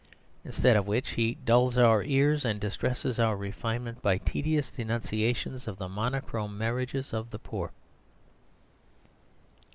Instead of which he dulls our ears and distresses our refinement by tedious denunciations of the monochrome marriages of the poor.